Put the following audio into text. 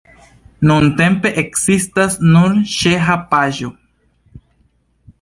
Nuntempe ekzistas nur ĉeĥa paĝo.